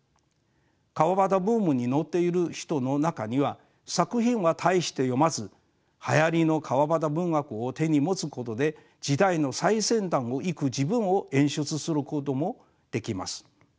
川端ブームに乗っている人の中には作品は大して読まずはやりの川端文学を手に持つことで時代の最先端をいく自分を演出することもできます。